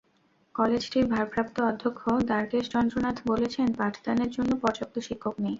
কলেজটির ভারপ্রাপ্ত অধ্যক্ষ দ্বারকেশ চন্দ্র নাথ বলেছেন, পাঠদানের জন্য পর্যাপ্ত শিক্ষক নেই।